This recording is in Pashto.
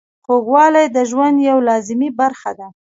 خوږوالی د ژوند یوه لازمي برخه ده.